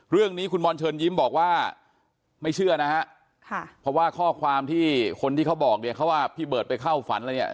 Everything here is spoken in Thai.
เรื่องนี้คุณบอลเชิญยิ้มบอกว่าไม่เชื่อนะฮะค่ะเพราะว่าข้อความที่คนที่เขาบอกเนี่ยเขาว่าพี่เบิร์ตไปเข้าฝันแล้วเนี่ย